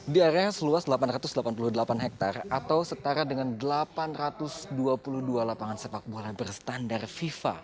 di area seluas delapan ratus delapan puluh delapan hektare atau setara dengan delapan ratus dua puluh dua lapangan sepak bola berstandar fifa